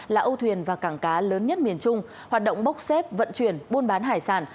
là âu thuyền và cảng cá lớn nhất miền trung hoạt động bốc xếp vận chuyển buôn bán hải sản